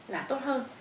là tốt hơn